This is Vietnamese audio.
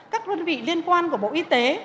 các đơn vị liên quan của bộ y tế